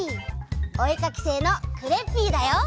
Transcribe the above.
おえかきせいのクレッピーだよ！